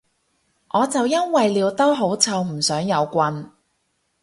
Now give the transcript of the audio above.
我就因為尿兜好臭唔想有棍